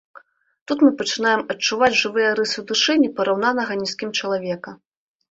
Тут мы пачынаем адчуваць жывыя рысы душы не параўнанага ні з кім чалавека.